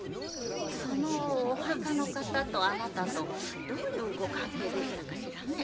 そのお墓の方とあなたとどういうご関係でしたかしらね？